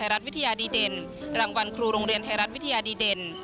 รางวัลโรงเรียนไทยรัฐวิทยาดีเด่น